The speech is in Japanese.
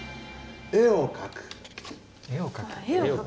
絵を描く？